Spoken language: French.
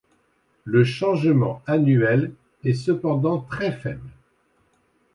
Le changement annuel est cependant très faible.